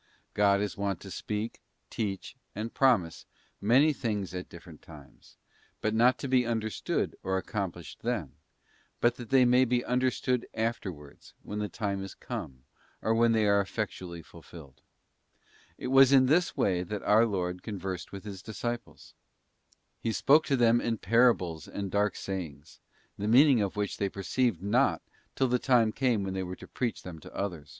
God is wont to speak, teach, and promise, many things at different times, not to be understood, or accomplished then; but that they may be understood afterwards, when the time is come, or when they are effectually fulfilled. It was in this way our Lord con _ versed with His disciples. He spoke to them in parables and dark sayings, the meaning of which they perceived not till the time came when they were to preach them to others. * Jon, iii.